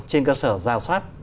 trên cơ sở giao soát